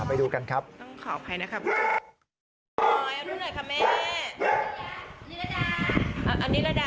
ไปดูกันครับต้องขออภัยนะครับคุณผู้ชายเอาหนูหน่อยค่ะแม่นิรดา